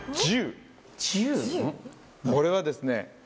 これはですね。